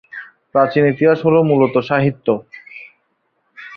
প্রাচীন ইতিহাস হল মূলত সাহিত্য।